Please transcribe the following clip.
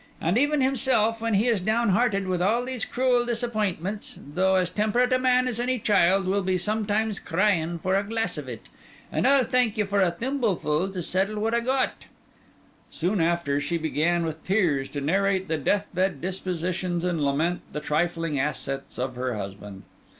And even himself, when he is downhearted with all these cruel disappointments, though as temperate a man as any child, will be sometimes crying for a glass of it. And I'll thank you for a thimbleful to settle what I got.' Soon after, she began with tears to narrate the deathbed dispositions and lament the trifling assets of her husband.